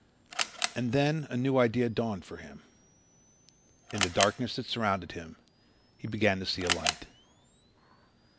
And then a new idea dawned for him. In the darkness that surrounded him he began to see a light.